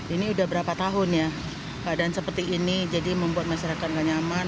ini udah berapa tahun ya keadaan seperti ini jadi membuat masyarakat nggak nyaman